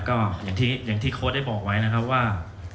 ก็อย่างที่โค้ดได้บอกไว้นะครับว่า